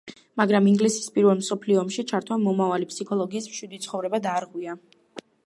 მაგრამ, ინგლისის პირველ მსოფლიო ომში ჩართვამ მომავალი ფსიქოლოგის მშვიდი ცხოვრება დაარღვია.